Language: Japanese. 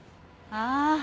ああ。